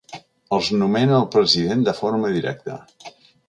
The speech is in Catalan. Els nomena el president de forma directa.